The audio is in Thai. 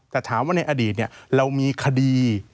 แต่ถามว่าในอดีตเรามีคดี